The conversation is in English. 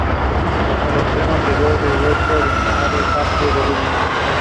Dunne fought out of High Low and tagged Riddle in.